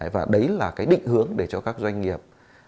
và đấy là cái định hướng để cho các doanh nghiệp